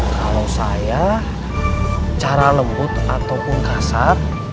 kalau saya cara lembut ataupun kasar